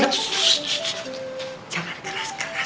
ssss jangan keras keras